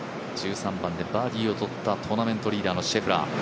１３番でバーディーをとったトーナメントリーダーのシェフラー。